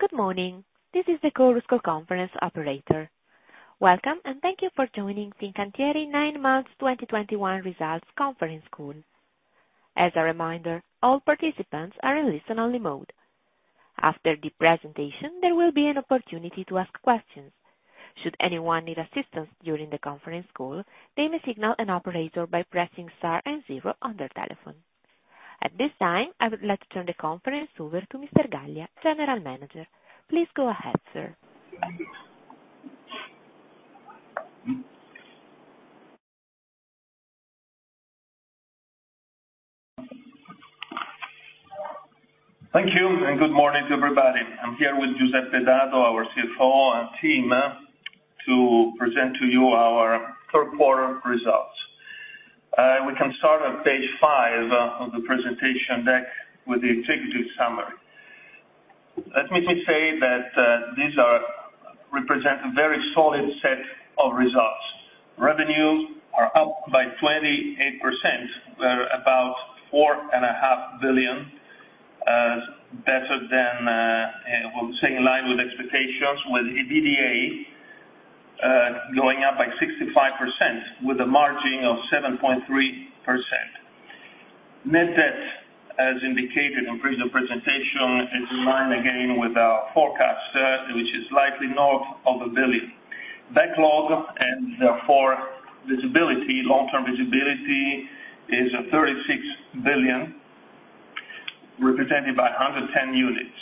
Good morning. This is the Chorus Call conference operator. Welcome, and thank you for joining Fincantieri nine months 2021 results conference call. As a reminder, all participants are in listen only mode. After the presentation, there will be an opportunity to ask questions. Should anyone need assistance during the conference call, they may signal an operator by pressing star and zero on their telephone. At this time, I would like to turn the conference over to Mr. Gallia, General Manager. Please go ahead, sir. Thank you, and good morning to everybody. I'm here with Giuseppe Dado, our CFO, and team to present to you our third quarter results. We can start on page five of the presentation deck with the executive summary. Let me just say that these represent a very solid set of results. Revenues are up by 28%. We're about 4.5 billion, better than I would say, in line with expectations, with EBITDA going up by 65% with a margin of 7.3%. Net debt, as indicated in previous presentation, is in line again with our forecast, which is slightly north of 1 billion. Backlog, and therefore visibility, long-term visibility is 36 billion, represented by 110 units.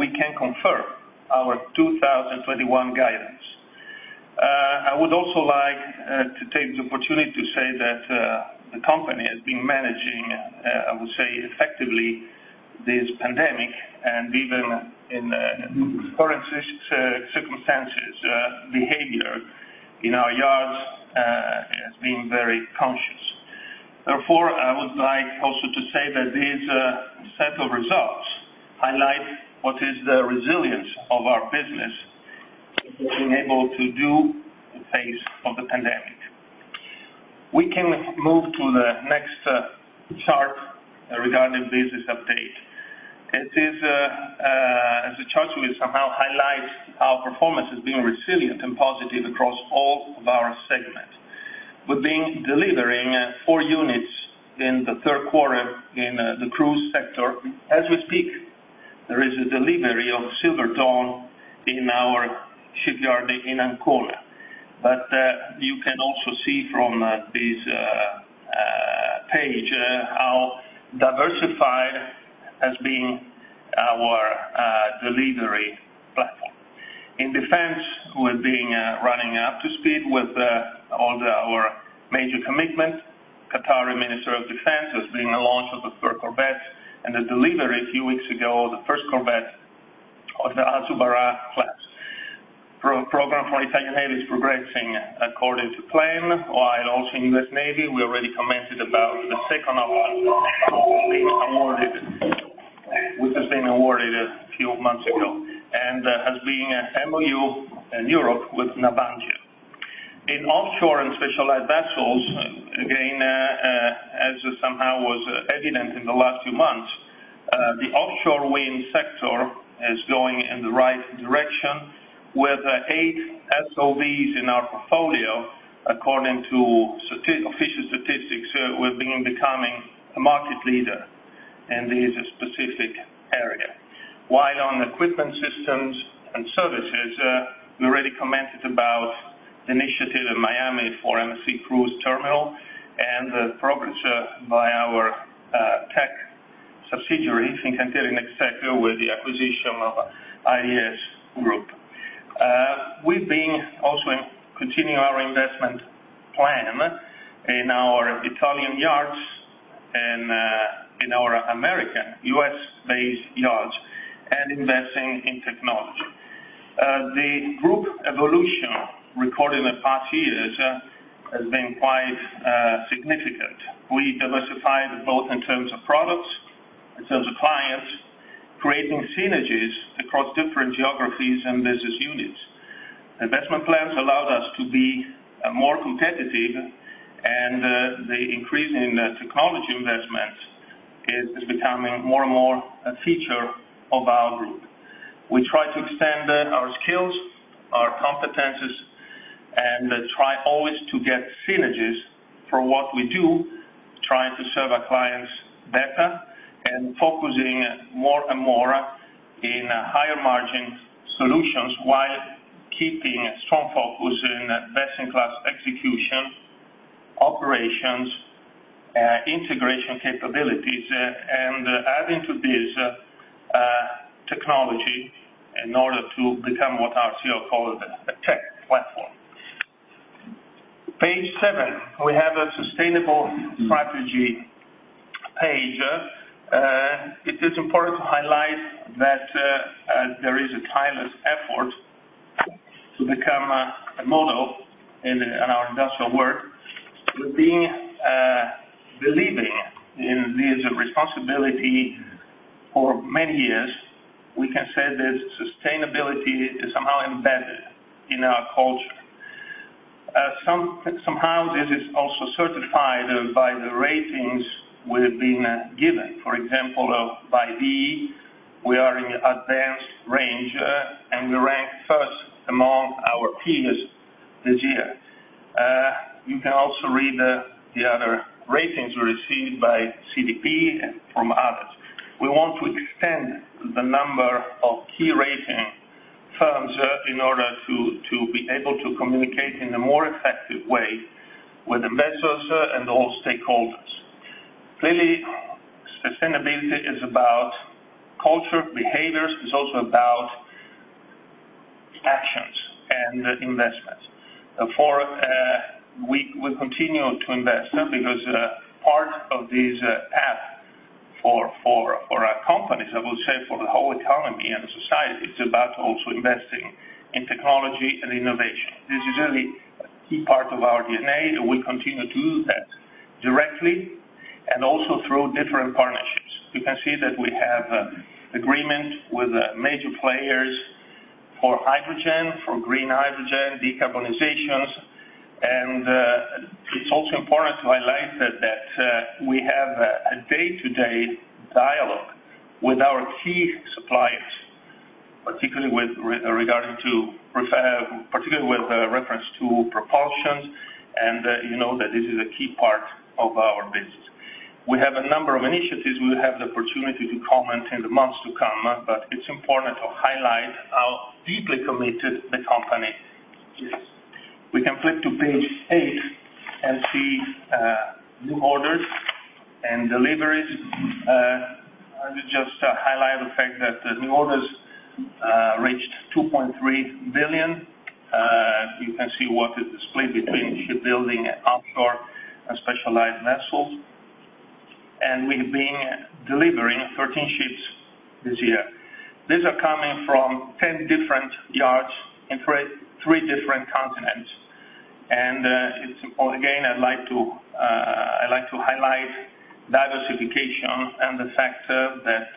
We can confirm our 2021 guidance. I would also like to take the opportunity to say that the company has been managing, I would say effectively this pandemic, and even in current circumstances, behavior in our yards has been very cautious. Therefore, I would like also to say that this set of results highlight what is the resilience of our business in being able to do in the face of the pandemic. We can move to the next chart regarding business update. It is, as a chart will somehow highlight our performance as being resilient and positive across all of our segments. We've been delivering four units in the third quarter in the cruise sector. As we speak, there is a delivery of Silver Dawn in our shipyard in Ancona. You can also see from this page how diversified has been our delivery platform. In defense, we've been running up to speed with all our major commitments. Qatari Ministry of Defence has been the launch of the third corvette and the delivery a few weeks ago, the first corvette of the Al Zubarah class. PPA program for Italian Navy is progressing according to plan, while also in the U.S. Navy, we already commented about the second award, which was awarded a few months ago and has been an MOU in Europe with Navantia. In offshore and specialized vessels, again, as somehow was evident in the last few months, the offshore wind sector is going in the right direction with eight SOVs in our portfolio. According to official statistics, we've been becoming a market leader in this specific area. While on equipment systems and services, we already commented about the initiative in Miami for MSC Cruise Terminal and the progress by our tech subsidiary, Fincantieri NexTech with the acquisition of IDS Group. We've been also continuing our investment plan in our Italian yards and in our American U.S.-based yards and investing in technology. The group evolution recorded in the past years has been quite significant. We diversified both in terms of products, in terms of clients, creating synergies across different geographies and business units. Investment plans allowed us to be more competitive, and the increase in technology investments is becoming more and more a feature of our group. We try to extend our skills, our competencies, and try always to get synergies for what we do, trying to serve our clients better and focusing more and more in higher margin solutions, while keeping a strong focus in best in class execution, operations, integration capabilities, and adding to this, technology in order to become what our CEO called a tech platform. Page seven, we have a sustainable strategy page. It is important to highlight that there is a tireless effort to become a model in our industrial work. We've been believing in this responsibility for many years. We can say that sustainability is somehow embedded in our culture. Somehow this is also certified by the ratings we have been given. For example, by Vigeo we are in advanced range, and we rank first among our peers this year. You can also read the other ratings received by CDP and from others. We want to extend the number of key rating firms in order to be able to communicate in a more effective way with investors and all stakeholders. Clearly, sustainability is about culture, behaviors. It's also about actions and investments. We continue to invest because part of this path for our companies, I would say for the whole economy and society, it's about also investing in technology and innovation. This is really a key part of our DNA, that we continue to use that directly and also through different partnerships. You can see that we have agreement with major players for hydrogen, for green hydrogen, decarbonization. It's also important to highlight that we have a day-to-day dialogue with our key suppliers, particularly with reference to propulsion. You know that this is a key part of our business. We have a number of initiatives. We have the opportunity to comment in the months to come, but it's important to highlight how deeply committed the company is. We can flip to page eight and see new orders and deliveries. Let me just highlight the fact that the new orders reached 2.3 billion. You can see what is displayed between shipbuilding, offshore, and specialized vessels. We've been delivering 13 ships this year. These are coming from 10 different yards in three different continents. It's important again. I'd like to highlight diversification and the fact that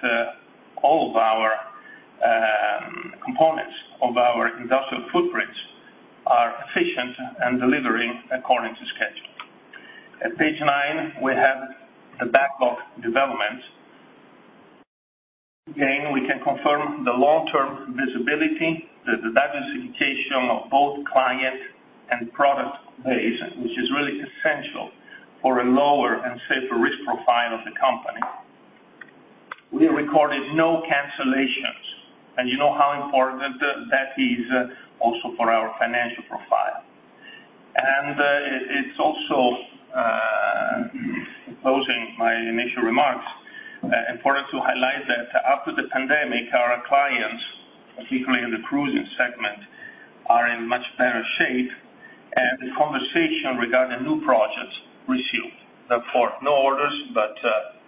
all of our components of our industrial footprint are efficient and delivering according to schedule. At page nine, we have the backlog development. Again, we can confirm the long-term visibility, the diversification of both client and product base, which is really essential for a lower and safer risk profile of the company. We recorded no cancellations, and you know how important that is also for our financial profile. It's also, closing my initial remarks, important to highlight that after the pandemic, our clients, particularly in the cruising segment, are in much better shape. The conversation regarding new projects resumed. Therefore, no orders, but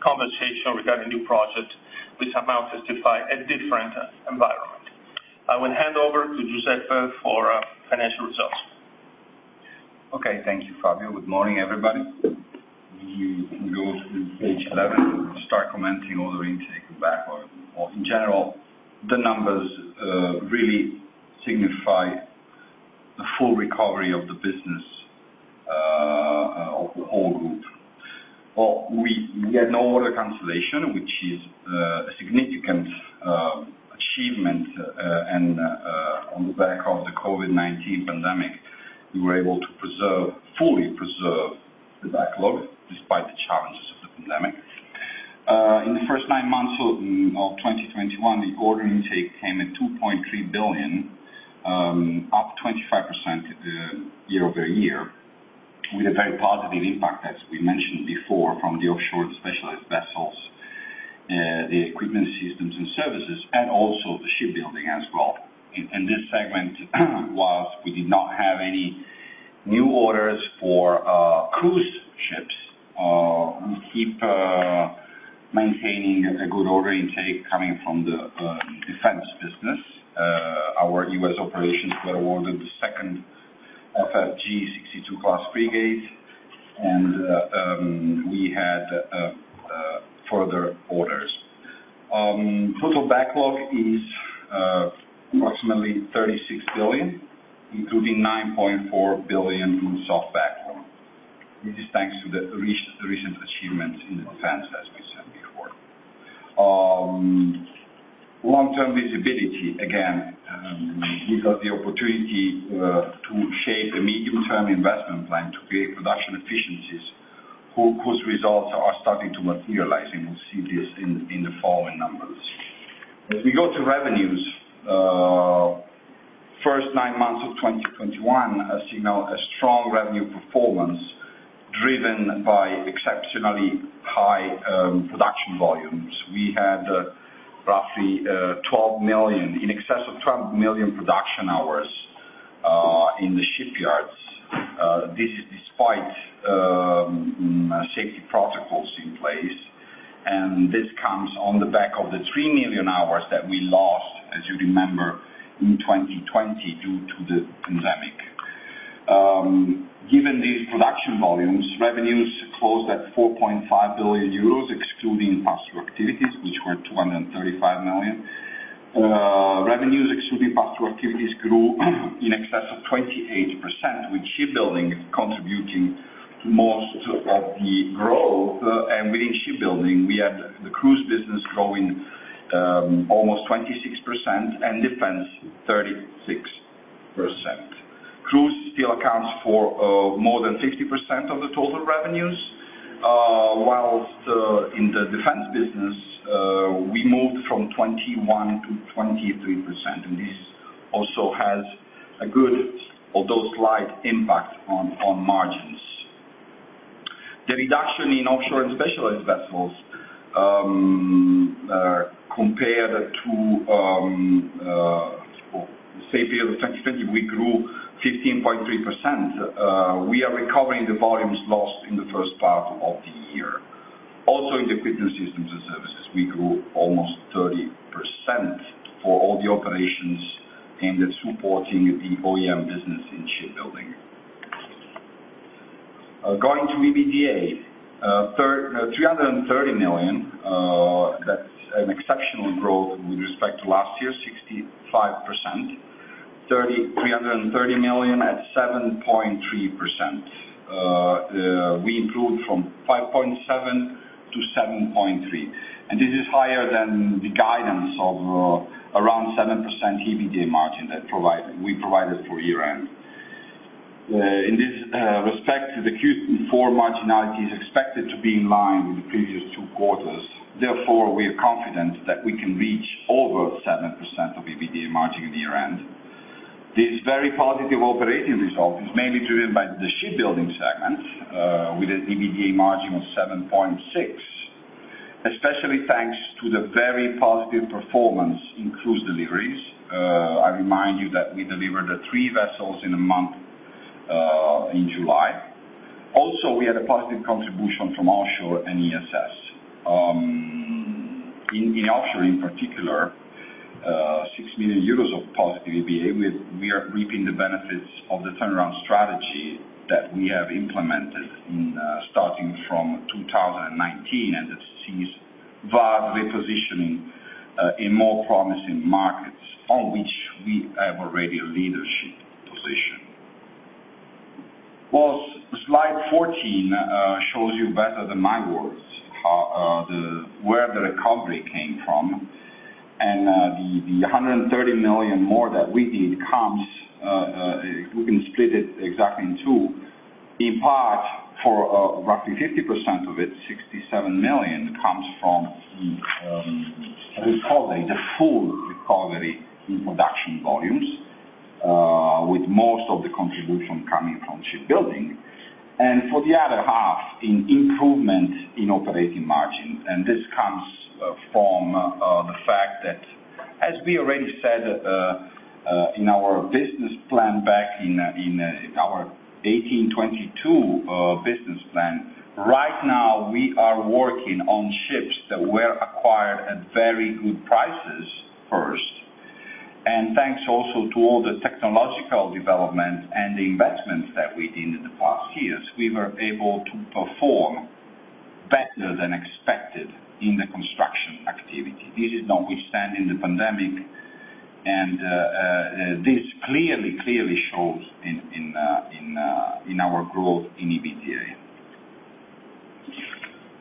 conversation regarding new projects which amount justify a different environment. I will hand over to Giuseppe for financial results. Okay. Thank you, Fabio. Good morning, everybody. We can go to page 11 and start commenting on the intake and backlog. In general, the numbers really signify the full recovery of the business of the whole group. We had no order cancellation, which is a significant achievement. On the back of the COVID-19 pandemic, we were able to fully preserve the backlog despite the challenges of the pandemic. In the first nine months of 2021, the order intake came at 2.3 billion, up 25% year-over-year, with a very positive impact, as we mentioned before, from the offshore and specialized vessels, the equipment systems and services and also the shipbuilding as well. In this segment, while we did not have any new orders for cruise ships, we keep maintaining a good order intake coming from the defense business. Our U.S. operations were awarded the second FFG-62 class frigate and we had further orders. Total backlog is approximately 36 billion, including 9.4 billion soft backlog. This is thanks to the recent achievements in defense, as we said before. Long-term visibility, again, we got the opportunity to shape a medium-term investment plan to create production efficiencies. Whose results are starting to materialize, and we'll see this in the following numbers. As we go to revenues, first nine months of 2021 has seen a strong revenue performance driven by exceptionally high production volumes. We had roughly 12 million, in excess of 12 million production hours in the shipyards. This is despite safety protocols in place. This comes on the back of the 3 million hours that we lost, as you remember, in 2020 due to the pandemic. Given these production volumes, revenues closed at 4.5 billion euros, excluding pass-through activities, which were 235 million. Revenues excluding pass-through activities grew in excess of 28%, with shipbuilding contributing to most of the growth. Within shipbuilding, we had the cruise business growing almost 26% and defense 36%. Cruise still accounts for more than 60% of the total revenues, while in the defense business we moved from 21%-23%. This also has a good although slight impact on margins. The reduction in offshore and specialized vessels, compared to the same period of 2020, we grew 15.3%. We are recovering the volumes lost in the first part of the year. Also in Equipment, Systems and Services, we grew almost 30% for all the operations aimed at supporting the OEM business in shipbuilding. Going to EBITDA, 330 million, that's an exceptional growth with respect to last year, 65%. EUR 330 million at 7.3%. We improved from 5.7%-7.3%, and this is higher than the guidance of around 7% EBITDA margin that we provided for year-end. In this respect, the Q4 marginality is expected to be in line with the previous two quarters. Therefore, we are confident that we can reach over 7% EBITDA margin at year-end. This very positive operating result is mainly driven by the shipbuilding segment, with an EBITDA margin of 7.6%, especially thanks to the very positive performance in cruise deliveries. I remind you that we delivered three vessels in a month, in July. Also, we had a positive contribution from offshore and ESS. In offshore, in particular, 6 million euros of positive EBITDA, we are reaping the benefits of the turnaround strategy that we have implemented, starting from 2019, and that sees VARD repositioning in more promising markets on which we have already a leadership position. Well, slide 14 shows you better than my words, how the recovery came from and the 130 million more that we did comes. We can split it exactly in two. In part, roughly 50% of it, 67 million comes from the full recovery in production volumes, with most of the contribution coming from shipbuilding. For the other half in improvement in operating margin, this comes from the fact that, as we already said, in our 2018-2022 business plan. Right now, we are working on ships that were acquired at very good prices first. Thanks also to all the technological development and the investments that we did in the past years, we were able to perform better than expected in the construction activity. This is notwithstanding the pandemic, and this clearly shows in our growth in EBITDA.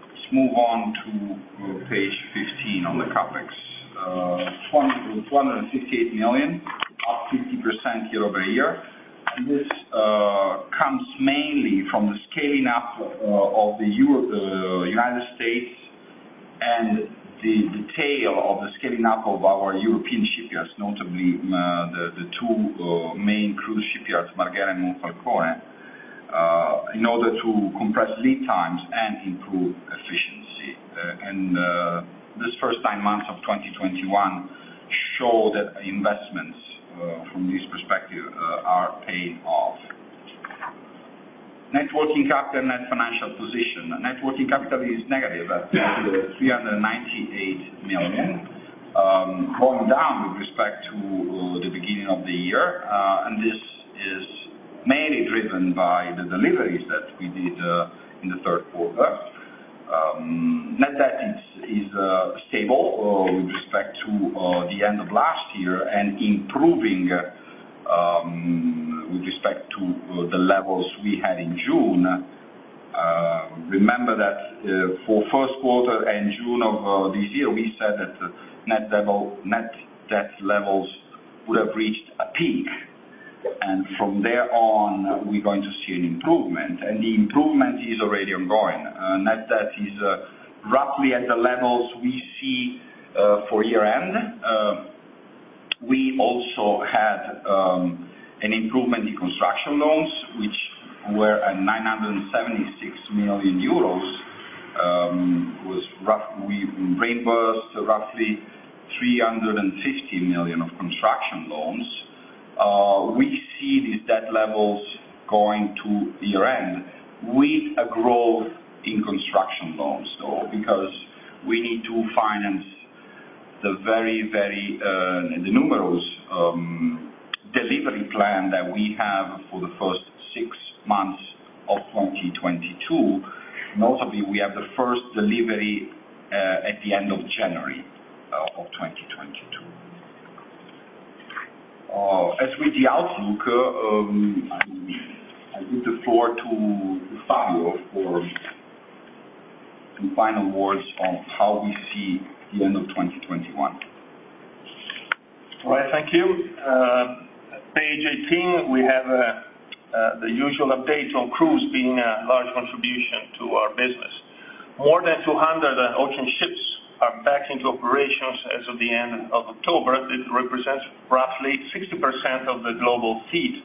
Let's move on to page 15 on the CapEx. 158 million, up 50% year-over-year. This comes mainly from the scaling up of the U.S. and the tail of the scaling up of our European shipyards, notably the two main cruise shipyards, Marghera and Monfalcone, in order to compress lead times and improve efficiency. This first nine months of 2021 show that investments from this perspective are paying off. Net working capital and net financial position. Net working capital is negative at 398 million, going down with respect to the beginning of the year. This is mainly driven by the deliveries that we did in the third quarter. Net debt is stable with respect to the end of last year and improving with respect to the levels we had in June. Remember that, for first quarter and June of this year, we said that net debt levels would have reached a peak, and from there on, we're going to see an improvement. The improvement is already ongoing. Net debt is roughly at the levels we see for year-end. We also had an improvement in construction loans, which were at 976 million euros. We reimbursed roughly 350 million of construction loans. We see these debt levels going to year-end with a growth in construction loans, though, because we need to finance the numerous delivery plan that we have for the first six months of 2022. Notably, we have the first delivery at the end of January of 2022. As with the outlook, I leave the floor to Fabio for some final words on how we see the end of 2021. All right, thank you. Page 18, we have the usual updates on cruise being a large contribution to our business. More than 200 ocean ships are back into operations as of the end of October. It represents roughly 60% of the global fleet.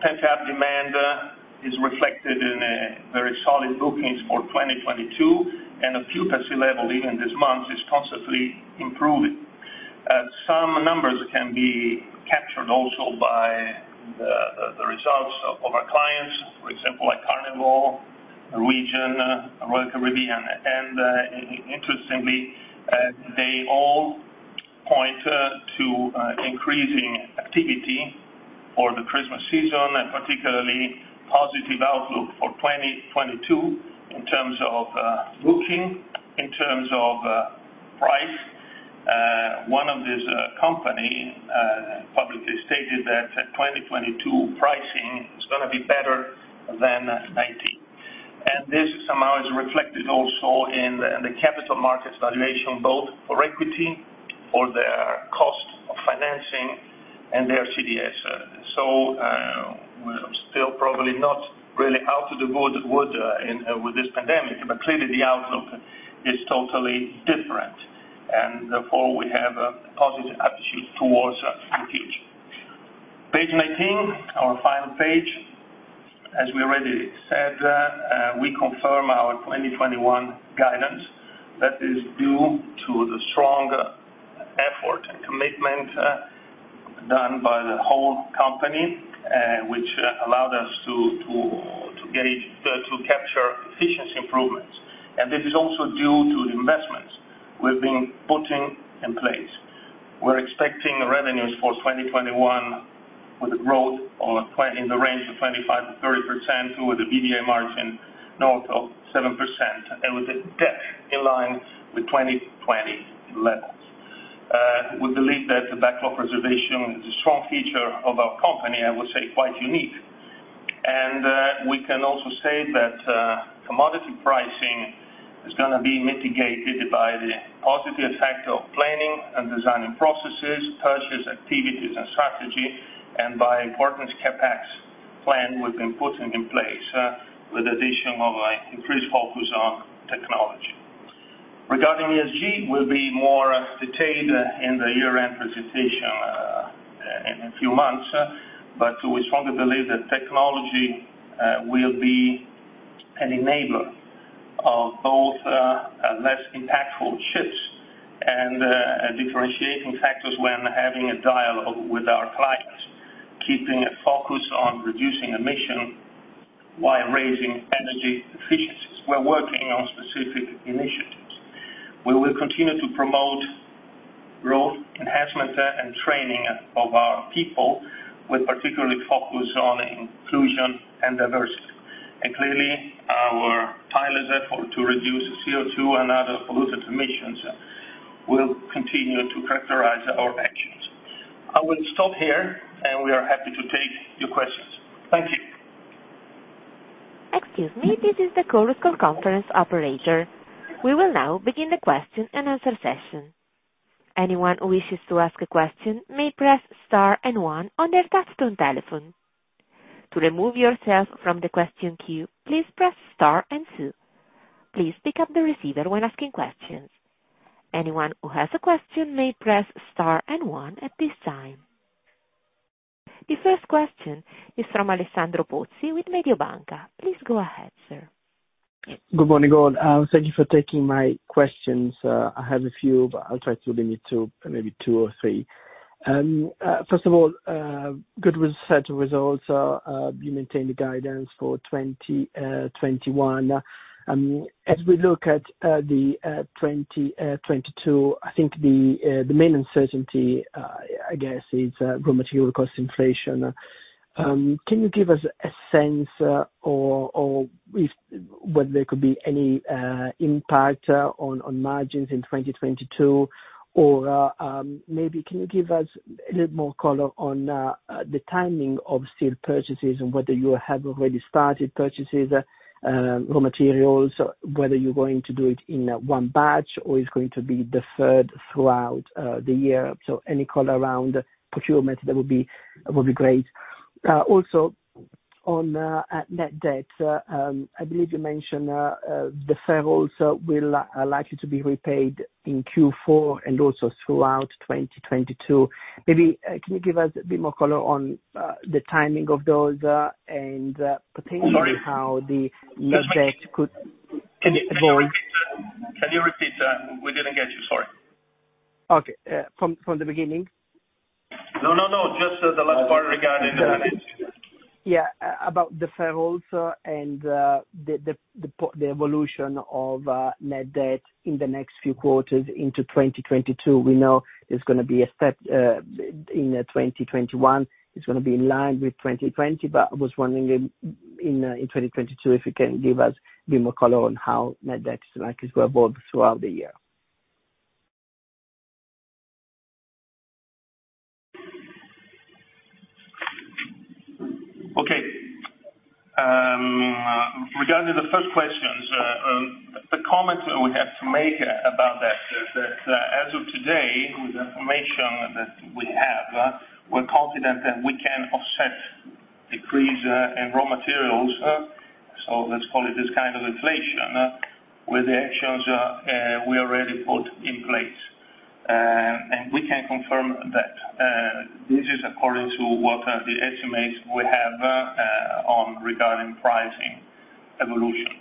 Pent-up demand is reflected in very solid bookings for 2022, and occupancy level even this month is constantly improving. Some numbers can be captured also by the results of our clients, for example, like Carnival, Norwegian, Royal Caribbean. Interestingly, they all point to increasing activity for the Christmas season, and particularly positive outlook for 2022 in terms of booking, in terms of price. One of this company publicly stated that 2022 pricing is gonna be better than 2019. This somehow is reflected also in the capital markets valuation, both for equity or their cost of financing and their CDS. We're still probably not really out of the woods with this pandemic, but clearly the outlook is totally different. Therefore, we have a positive attitude towards the future. Page 19, our final page. As we already said, we confirm our 2021 guidance. That is due to the strong effort and commitment done by the whole company, which allowed us to capture efficiency improvements. This is also due to the investments we've been putting in place. We're expecting revenues for 2021 with a growth in the range of 25%-30%, with an EBITDA margin north of 7%, and with a debt in line with 2020 levels. We believe that the backlog reservation is a strong feature of our company, I would say quite unique. We can also say that commodity pricing is gonna be mitigated by the positive effect of planning and designing processes, purchase activities and strategy, and by important CapEx plan we've been putting in place, with addition of an increased focus on technology. Regarding ESG, we'll be more detailed in the year-end presentation in a few months. We strongly believe that technology will be an enabler of both less impactful ships and a differentiating factors when having a dialogue with our clients, keeping a focus on reducing emission while raising energy efficiencies. We're working on specific initiatives. We will continue to promote growth, enhancement and training of our people, with particular focus on inclusion and diversity. Clearly, our tireless effort to reduce CO2 and other pollutant emissions will continue to characterize our actions. I will stop here, and we are happy to take your questions. Thank you. Excuse me, this is the Chorus Call Conference Operator. We will now begin the question and answer session. Anyone who wishes to ask a question may press star and one on their touchtone telephone. To remove yourself from the question queue, please press star and two. Please pick up the receiver when asking questions. Anyone who has a question may press star and one at this time. The first question is from Alessandro Pozzi with Mediobanca. Please go ahead, sir. Good morning all. Thank you for taking my questions. I have a few, but I'll try to limit to maybe two or three. First of all, good set of results. You maintain the guidance for 2021. As we look at the 2022, I think the main uncertainty, I guess, is raw material cost inflation. Can you give us a sense or whether there could be any impact on margins in 2022? Or, maybe can you give us a little more color on the timing of steel purchases and whether you have already started purchases raw materials, whether you're going to do it in one batch or it's going to be deferred throughout the year. Any color around procurement that would be great. Also on net debt. I believe you mentioned deferrals will likely to be repaid in Q4 and also throughout 2022. Maybe, can you give us a bit more color on the timing of those, and I'm sorry. Potentially how the net debt could avoid [inaudible] Can you repeat? Can you repeat, we didn't get you, sorry. Okay. From the beginning? No. Just, the last part regarding the net- Yeah. About the financials and the evolution of net debt in the next few quarters into 2022. We know it's gonna be a step in 2021. It's gonna be in line with 2020, but I was wondering in 2022, if you can give us a bit more color on how net debt is likely to evolve throughout the year. Okay. Regarding the first questions, the comments we have to make about that is that, as of today, with the information that we have, we're confident that we can offset the decrease in raw materials, so let's call it this kind of inflation, with the actions we already put in place. We can confirm that. This is according to the estimates we have regarding pricing evolution.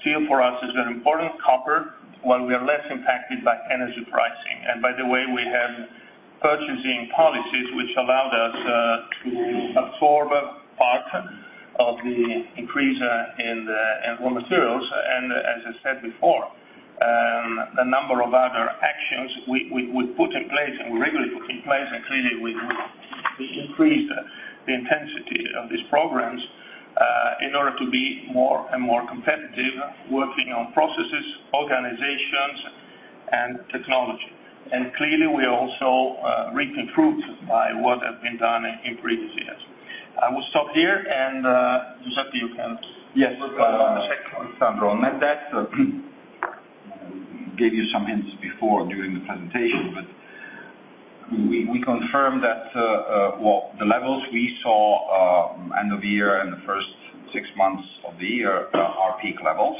Steel for us is very important, copper, while we are less impacted by energy pricing. By the way, we have purchasing policies which allowed us to absorb part of the increase in raw materials. As I said before, the number of other actions we put in place, and we regularly put in place, and clearly we increase the intensity of these programs in order to be more and more competitive, working on processes, organizations, and technology. Clearly, we also reap the fruits by what has been done in previous years. I will stop here, and Giuseppe, you can- Yes. Go on. Second, Sandro, net debt. Gave you some hints before during the presentation, but we confirm that, well, the levels we saw end of the year and the first six months of the year are peak levels.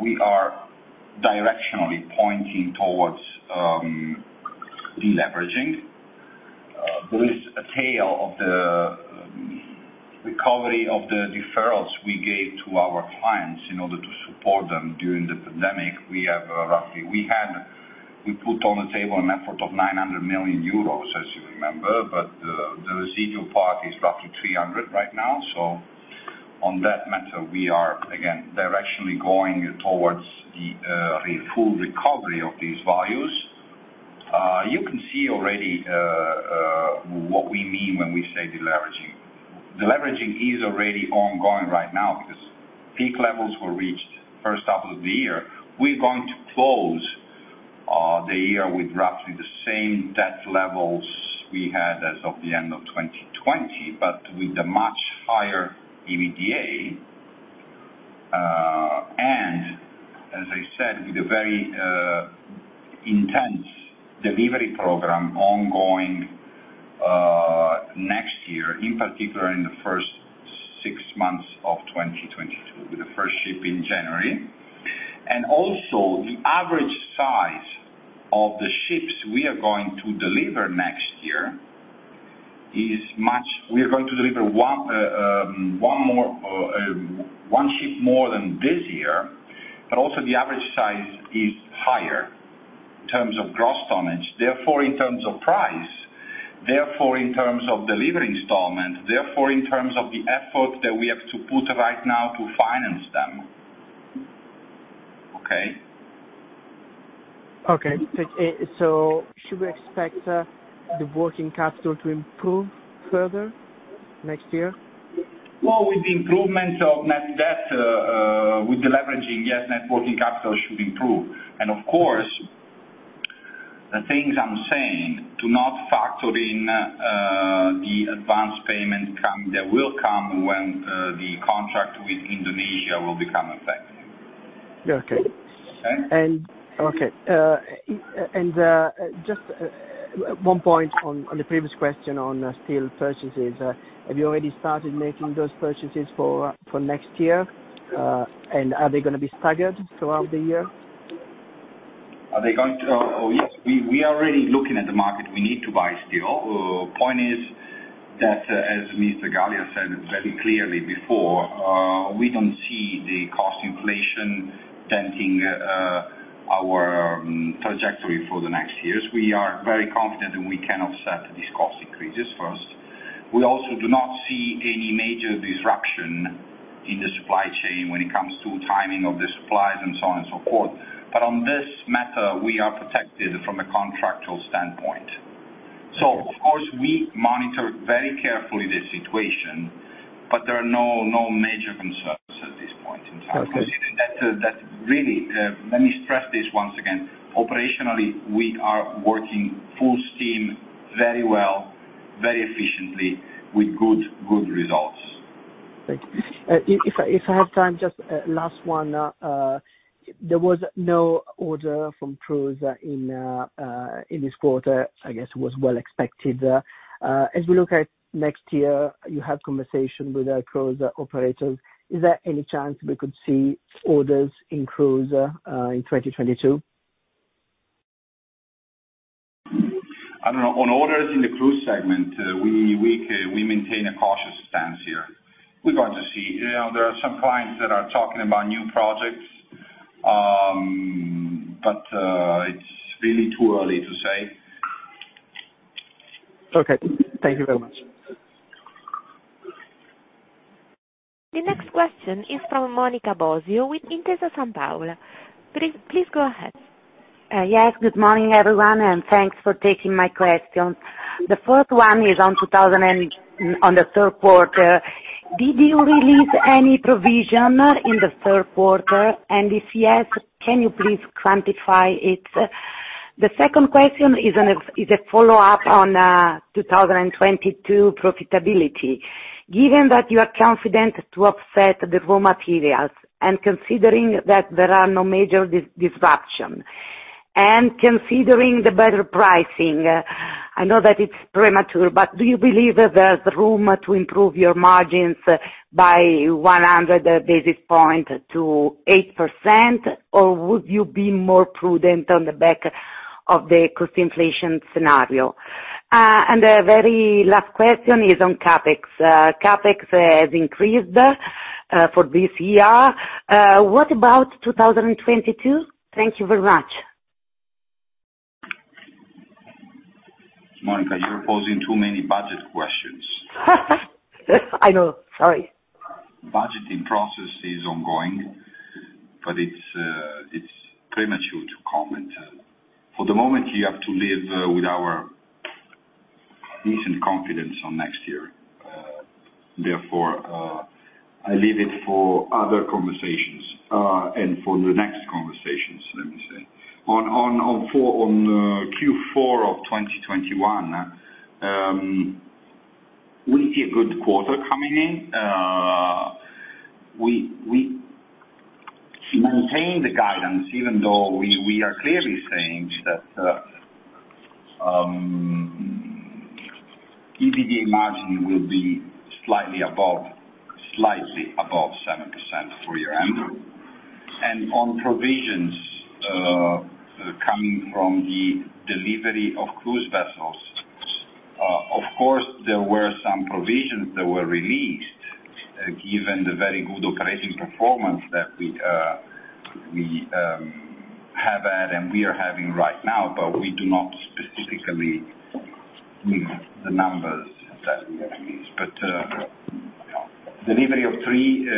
We are directionally pointing towards deleveraging. There is a tail of the recovery of the deferrals we gave to our clients in order to support them during the pandemic. We put on the table an effort of 900 million euros, as you remember, but the residual part is roughly 300 million right now. On that matter, we are again directionally going towards the full recovery of these values. You can see already what we mean when we say deleveraging. Deleveraging is already ongoing right now because peak levels were reached first half of the year. We're going to close the year with roughly the same debt levels we had as of the end of 2020, but with a much higher EBITDA, and as I said, with a very intense delivery program ongoing next year, in particular in the first six months of 2022, with the first ship in January. The average size of the ships we are going to deliver next year, we are going to deliver 1 ship more than this year, but also the average size is higher in terms of gross tonnage, therefore in terms of price, therefore in terms of delivery installment, therefore in terms of the effort that we have to put right now to finance them. Okay? Should we expect the working capital to improve further next year? Well, with the improvement of net debt, with the leveraging, yes, net working capital should improve. Of course, the things I'm saying do not factor in the advanced payment that will come when the contract with Indonesia will become effective. Okay. Eh? Just one point on the previous question on steel purchases. Have you already started making those purchases for next year? Are they gonna be staggered throughout the year? Yes. We are already looking at the market. We need to buy steel. Point is that, as Mr. Gallia said very clearly before, we don't see the cost inflation denting our trajectory for the next years. We are very confident that we can offset these cost increases first. We also do not see any major disruption in the supply chain when it comes to timing of the supplies and so on and so forth. On this matter, we are protected from a contractual standpoint. Of course, we monitor very carefully the situation, but there are no major concerns at this point in time. Okay. That really let me stress this once again. Operationally, we are working full steam very well, very efficiently with good results. Thank you. If I have time, just last one. There was no order from cruise in this quarter, I guess it was well expected. As we look at next year, you have conversation with our cruise operators. Is there any chance we could see orders in cruise in 2022? I don't know. On orders in the cruise segment, we maintain a cautious stance here. We're going to see. You know, there are some clients that are talking about new projects, but it's really too early to say. Okay. Thank you very much. The next question is from Monica Bosio with Intesa Sanpaolo. Please, please go ahead. Yes, good morning, everyone, and thanks for taking my questions. The first one is on the third quarter. Did you release any provision in the third quarter? And if yes, can you please quantify it? The second question is a follow-up on 2022 profitability. Given that you are confident to offset the raw materials and considering that there are no major disruption, and considering the better pricing, I know that it's premature, but do you believe that there's room to improve your margins by 100 basis points to 8%, or would you be more prudent on the back of the cost inflation scenario? A very last question is on CapEx. CapEx has increased for this year. What about 2022? Thank you very much. Monica, you're posing too many budget questions. I know. Sorry. Budgeting process is ongoing, but it's premature to comment. For the moment you have to live with our recent confidence on next year. Therefore, I leave it for other conversations and for the next conversations, let me say. On Q4 of 2021, we see a good quarter coming in. We maintain the guidance even though we are clearly saying that EBITDA margin will be slightly above 7% for year-end. On provisions coming from the delivery of cruise vessels, of course, there were some provisions that were released given the very good operating performance that we have had and we are having right now, but we do not specifically give the numbers that we have released. Delivery of three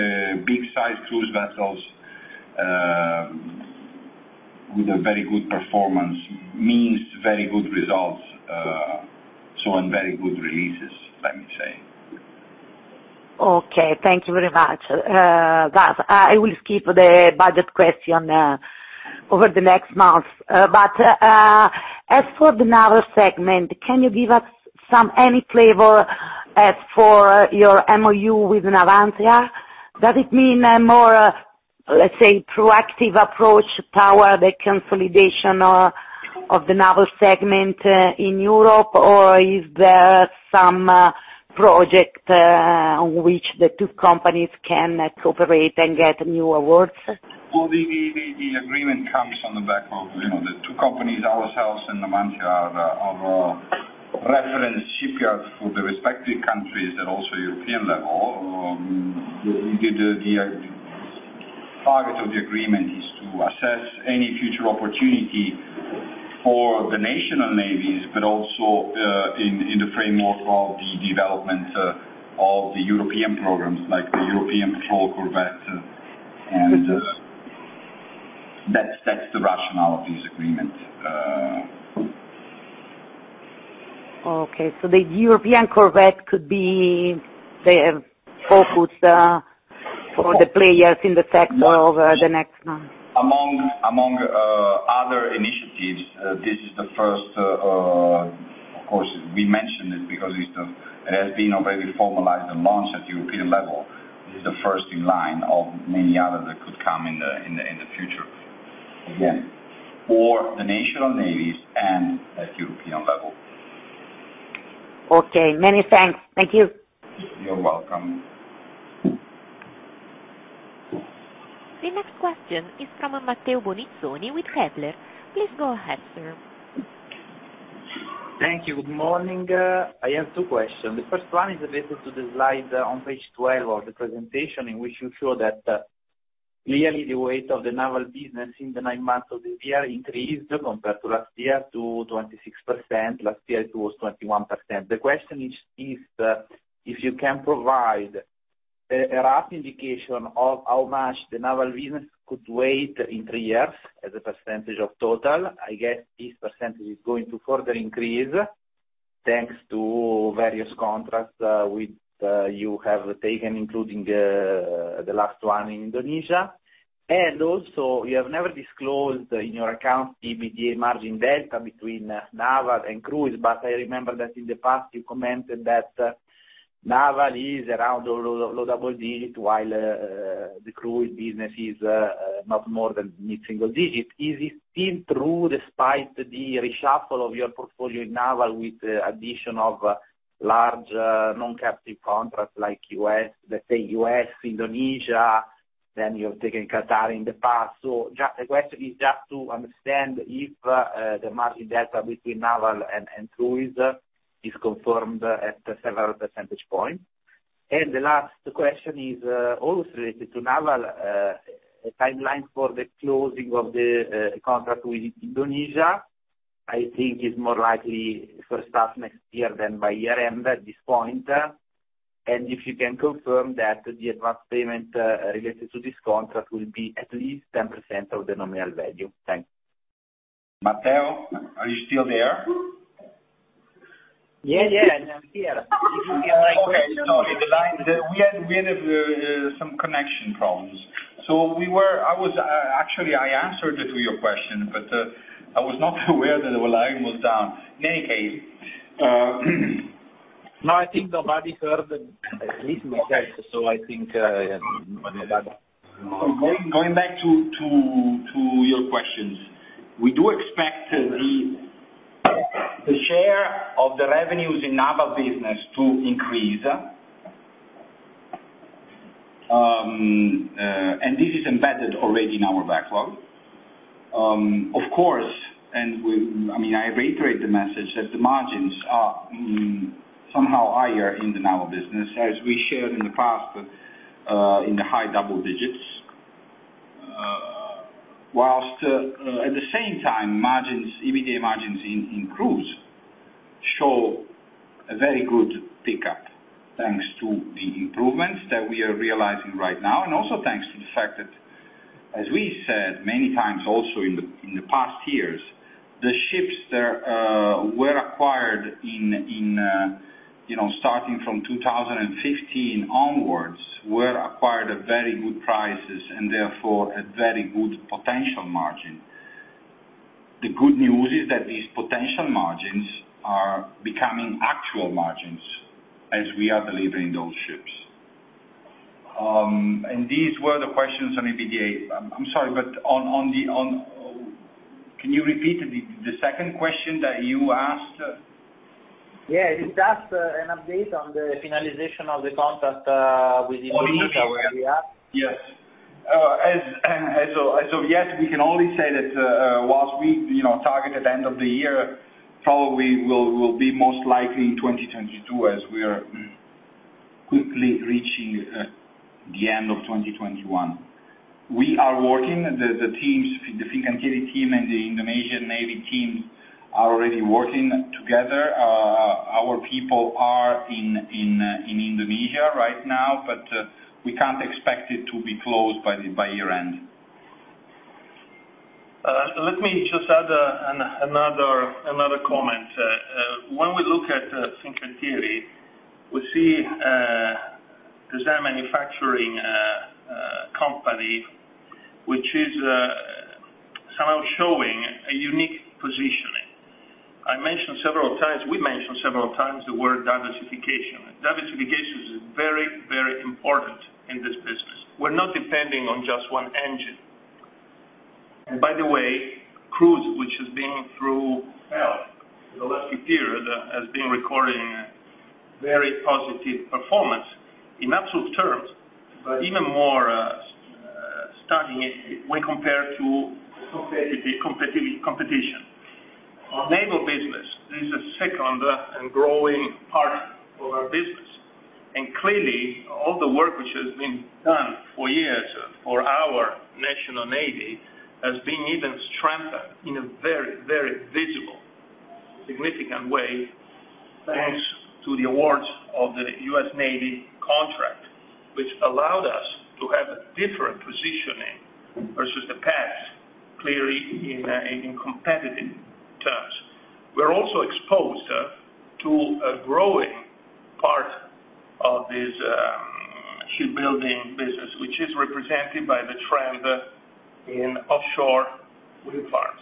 big size cruise vessels with a very good performance means very good results, so and very good releases, let me say. Okay. Thank you very much. Guys, I will skip the budget question over the next month. As for the naval segment, can you give us some any flavor as for your MOU with Navantia? Does it mean a more, let's say, proactive approach toward the consolidation of the naval segment in Europe? Or is there some project on which the two companies can cooperate and get new awards? Well, the agreement comes on the back of, you know, the two companies, ourselves and Navantia are reference shipyards for the respective countries and also European level. The target of the agreement is to assess any future opportunity for the national navies, but also in the framework of the development of the European programs like the European Patrol Corvette and that's the rationale of this agreement. Okay. The European Corvette could be the focus for the players in the sector over the next months. Among other initiatives, this is the first, of course we mentioned it because it has been already formalized and launched at European level. This is the first in line of many others that could come in the future. Again, for the national navies and at European level. Okay. Many thanks. Thank you. You're welcome. The next question is from Matteo Bonizzoni with Kepler. Please go ahead, sir. Thank you. Good morning. I have two questions. The first one is related to the slide on page 12 of the presentation in which you show that clearly the weight of the naval business in the nine months of the year increased compared to last year to 26%. Last year it was 21%. The question is if you can provide a rough indication of how much the naval business could weigh in three years as a percentage of total. I guess this percentage is going to further increase, thanks to various contracts with you have taken, including the last one in Indonesia. You have never disclosed in your account EBITDA margin delta between naval and cruise, but I remember that in the past you commented that naval is around low double digits while the cruise business is not more than mid-single digits. Is it still true despite the reshuffle of your portfolio in naval with the addition of large non-capital contracts like U.S., let's say U.S., Indonesia, then you have taken Qatar in the past. The question is just to understand if the margin delta between naval and cruise is confirmed at several percentage points. The last question is also related to naval timelines for the closing of the contract with Indonesia. I think it's more likely first half next year than by year-end at this point. If you can confirm that the advanced payment related to this contract will be at least 10% of the nominal value? Thanks. Matteo, are you still there? Yeah, yeah, I'm here. Okay. Sorry, we had some connection problems. Actually, I answered your question, but I was not aware that our line was down. In any case. No, I think nobody heard at least me, so I think, yeah. Going back to your questions. We do expect the share of the revenues in naval business to increase. This is embedded already in our backlog. Of course, I mean, I reiterate the message that the margins are somehow higher in the naval business, as we shared in the past, in the high double digits. While at the same time, margins, EBITDA margins in cruise show a very good pickup, thanks to the improvements that we are realizing right now, and also thanks to the fact that, as we said many times also in the past years, the ships that were acquired, you know, starting from 2015 onwards, were acquired at very good prices and therefore a very good potential margin. The good news is that these potential margins are becoming actual margins as we are delivering those ships. These were the questions on EBITDA. I'm sorry, but can you repeat the second question that you asked? Yeah. Just an update on the finalization of the contract with Indonesia, where we are. Yes. As of yet, we can only say that, while we, you know, target at end of the year, probably will be most likely in 2022 as we are quickly reaching the end of 2021. The Fincantieri team and the Indonesian Navy team are already working together. Our people are in Indonesia right now, but we can't expect it to be closed by year-end. Let me just add another comment. When we look at Fincantieri, we see design manufacturing company, which is somehow showing a unique positioning. We mentioned several times the word diversification. Diversification is very important in this business. We're not depending on just one engine. By the way, cruise, which has been tough the last few years has been recording very positive performance in absolute terms, but even more stunning when compared to competition. Our naval business is a second and growing part of our business. Clearly, all the work which has been done for years for our national navy has been even strengthened in a very visible, significant way, thanks to the awards of the U.S. Navy contract, which allowed us to have a different positioning versus the past, clearly in competitive terms. We're also exposed to a growing part of this shipbuilding business, which is represented by the trend in offshore wind farms.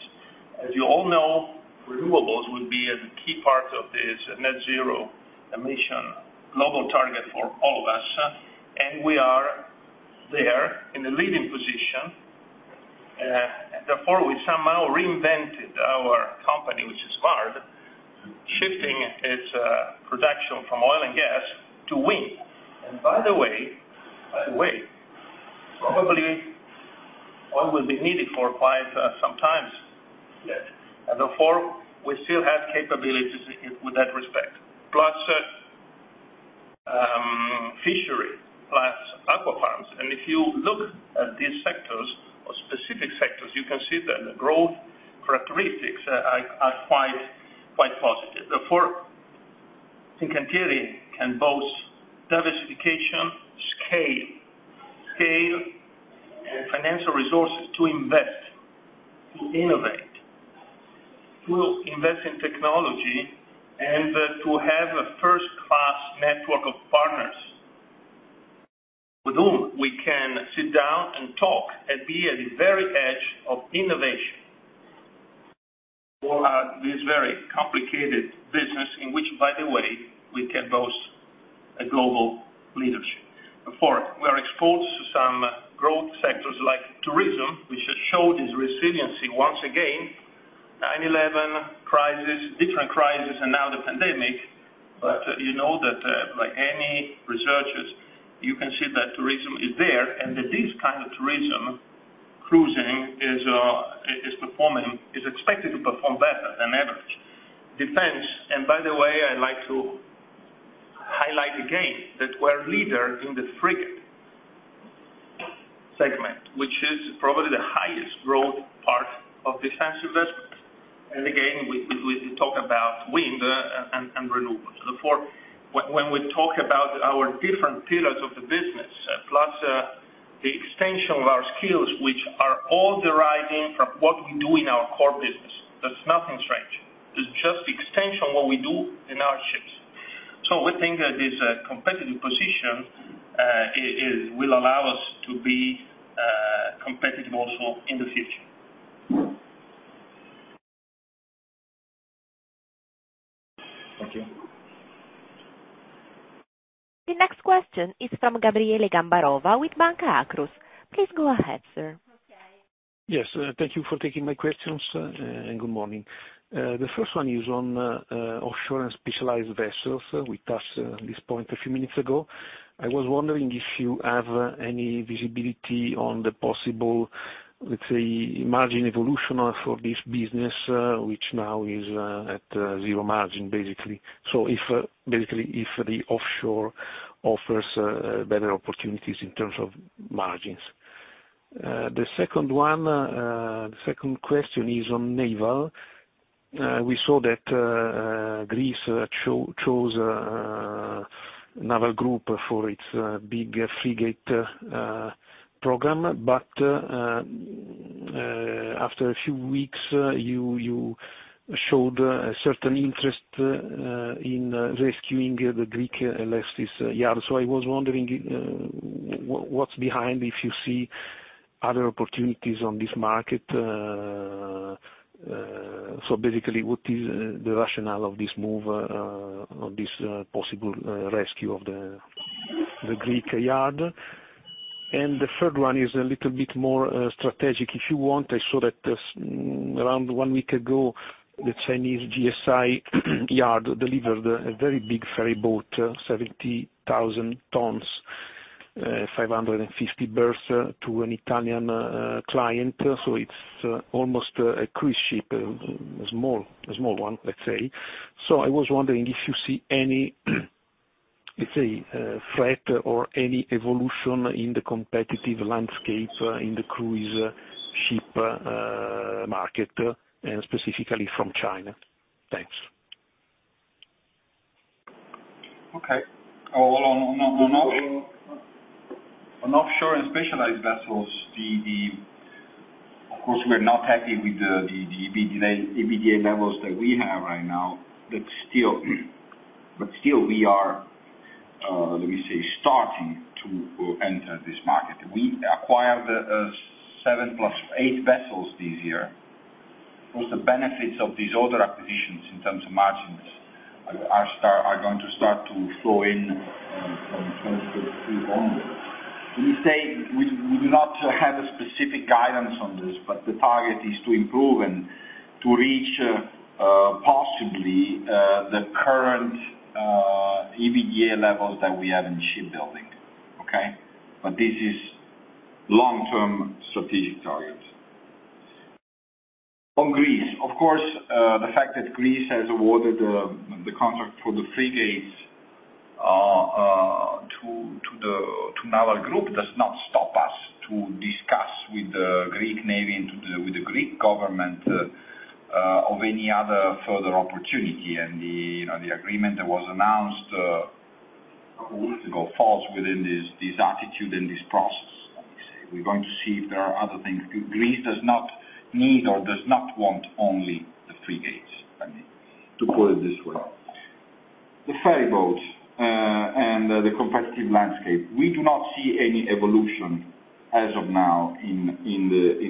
As you all know, renewables will be a key part of this net zero emission global target for all of us, and we are there in a leading position. Therefore, we've somehow reinvented our company, which is hard, shifting its production from oil and gas to wind. By the way, probably oil will be needed for quite some times yet. Therefore, we still have capabilities with that respect, plus fishery, plus aqua farms. If you look at these sectors or specific sectors, you can see that the growth characteristics are quite positive. Therefore, Fincantieri can boast diversification, scale, financial resources to invest, to innovate, to invest in technology, and to have a first-class network of partners with whom we can sit down and talk and be at the very edge of innovation for this very complicated business, in which, by the way, we can boast a global leadership. Therefore, we are exposed to some growth sectors like tourism, which has showed its resiliency once again, 9/11 crisis, different crisis, and now the pandemic. You know that, like any researchers, you can see that tourism is there and that this kind of tourism, cruising, is performing, is expected to perform better than average. Defense, by the way, I'd like to highlight again that we're leader in the frigate segment, which is probably the highest growth part of defense investments. Again, we talk about wind and renewables. Therefore, when we talk about our different pillars of the business, plus the extension of our skills, which are all deriving from what we do in our core business, that's nothing strange. It's just extension of what we do in our ships. We think that this competitive position will allow us to be competitive also in the future. Thank you. The next question is from Gabriele Gambarova with Banca Akros. Please go ahead, sir. Yes, thank you for taking my questions, and good morning. The first one is on offshore and specialized vessels. We touched on this point a few minutes ago. I was wondering if you have any visibility on the possible, let's say, margin evolution for this business, which now is at zero margin, basically. If, basically, if the offshore offers better opportunities in terms of margins. The second one, the second question is on naval. We saw that Greece chose Naval Group for its big frigate program. After a few weeks, you showed a certain interest in rescuing the Greek Elefsis yard. I was wondering what's behind if you see other opportunities on this market. Basically, what is the rationale of this move of this possible rescue of the Greek yard? The third one is a little bit more strategic. If you want, I saw that around one week ago, the Chinese GSI yard delivered a very big ferry boat, 70,000 tons, 550 berths to an Italian client. It's almost a cruise ship, a small one, let's say. I was wondering if you see any, let's say, threat or any evolution in the competitive landscape in the cruise ship market, and specifically from China. Thanks. Okay. On offshore and specialized vessels, of course, we're not happy with the EBITDA levels that we have right now. Still, we are let me say, starting to enter this market. We acquired 7+8 vessels this year. Of course, the benefits of these other acquisitions in terms of margins are going to start to flow in from 2023 onwards. We do not have a specific guidance on this, but the target is to improve and to reach possibly the current EBITDA levels that we have in shipbuilding. Okay. This is long-term strategic target. On Greece, of course, the fact that Greece has awarded the contract for the frigates to Naval Group does not stop us to discuss with the Hellenic Navy and with the Greek government of any other further opportunity. You know, the agreement that was announced falls within this attitude and this process. Let me say, we're going to see if there are other things. Greece does not need or does not want only the frigates, let me to put it this way. The ferry boats and the competitive landscape. We do not see any evolution as of now in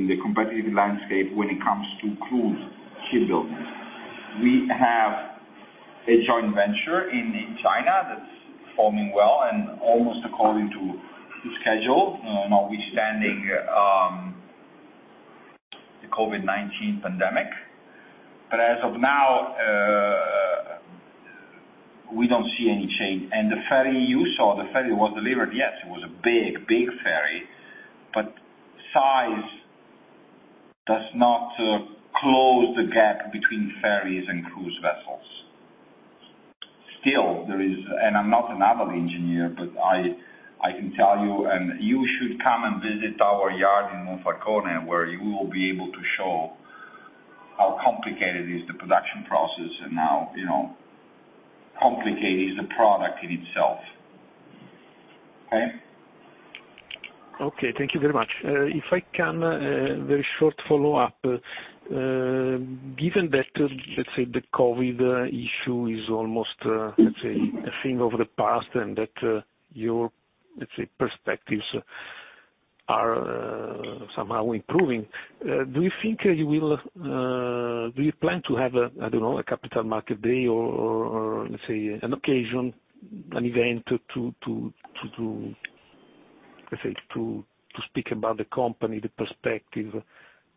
the competitive landscape when it comes to cruise shipbuilding. We have a joint venture in China that's forming well and almost according to schedule, notwithstanding the COVID-19 pandemic. As of now, we don't see any change. The ferry you saw, the ferry was delivered. Yes, it was a big ferry, but size does not close the gap between ferries and cruise vessels. Still, there is, and I'm not a naval engineer, but I can tell you, and you should come and visit our yard in Monfalcone, where you will be able to show how complicated is the production process and how, you know, complicated is the product in itself. Okay? Okay, thank you very much. If I can, very short follow-up. Given that, let's say, the COVID issue is almost, let's say, a thing of the past and that, your, let's say, perspectives are, somehow improving, do you plan to have a, I don't know, a capital market day or, let's say, an occasion, an event to, let's say, to speak about the company, the perspective,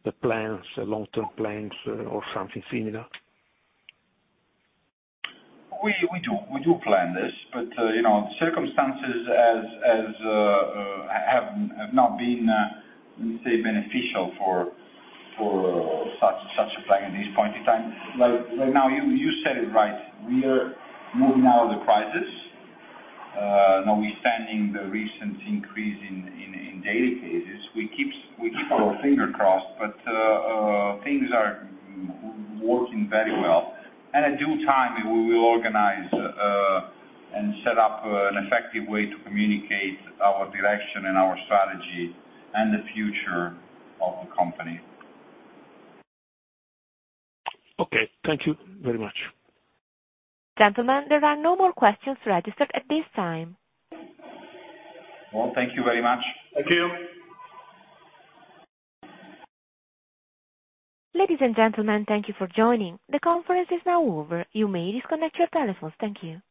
the plans, long-term plans or something similar? We do plan this, but you know, circumstances have not been, let me say, beneficial for such a plan at this point in time. Like now, you said it right. We are moving out of the crisis, notwithstanding the recent increase in daily cases. We keep our fingers crossed, but things are working very well. In due time, we will organize and set up an effective way to communicate our direction and our strategy and the future of the company. Okay, thank you very much. Gentlemen, there are no more questions registered at this time. Well, thank you very much. Thank you. Ladies and gentlemen, thank you for joining. The conference is now over. You may disconnect your telephones. Thank you.